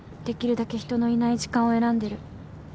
できるだけ人のいない時間を選んでる。